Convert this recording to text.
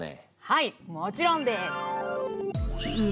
はいもちろんです！